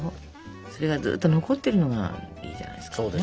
それがずっと残ってるのがいいじゃないですかね。